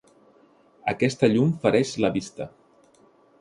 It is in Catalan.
Aquesta llum fereix la vista.